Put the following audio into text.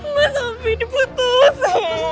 mbak sopi diputusin